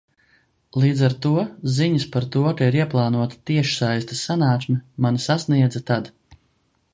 Līdz ar to ziņas par to, ka ir ieplānota tiešsaistes sanāksme, mani sasniedza tad.